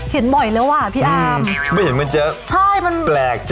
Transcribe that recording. เห็นบ่อยแล้วอ่ะพี่อาร์มไม่เห็นมันเยอะใช่มันแปลกเจอ